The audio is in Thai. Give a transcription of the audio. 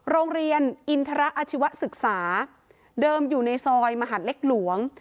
โรงเรียนอินทรอาชีวศึกษาเดิมอยู่ในซอยมหาดเล็กหลวง